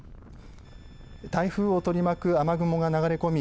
台風を取り巻く雨雲が流れ込み